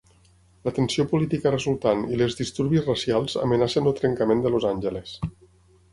La tensió política resultant i les disturbis racials amenacen el trencament de Los Angeles.